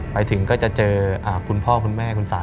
ไปถึงก็จะเจอคุณพ่อคุณแม่คุณสา